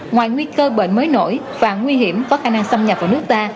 ngoài nguy cơ bệnh mới nổi và nguy hiểm có khả năng xâm nhập vào nước ta